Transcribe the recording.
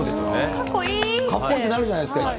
かっこいいってなるじゃないですか。